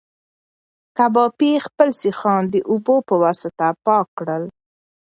کبابي خپل سیخان د اوبو په واسطه پاک کړل.